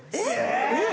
えっ！？